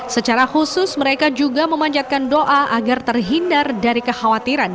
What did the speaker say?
secara khusus mereka juga memanjatkan doa agar terhindar dari kekhawatiran